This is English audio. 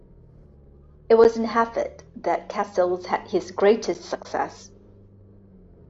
It was in Hartford that Cassels had his greatest success.